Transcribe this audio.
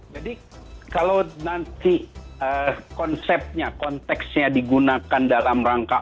jadi kalau nanti konsepnya konteksnya digunakan dalam rangka